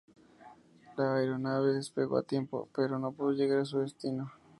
La aeronave despegó a tiempo, pero no pudo llegar a su destino.